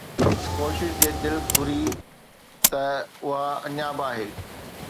ڪوشش جي، دل گهري ته اُها اڃا به آهي